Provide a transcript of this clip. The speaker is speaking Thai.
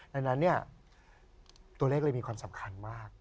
ดังนั้นเนี่ยตัวเลขเลยมีความสำคัญมาก